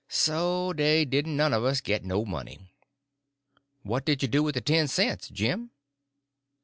So dey didn' none uv us git no money." "What did you do with the ten cents, Jim?"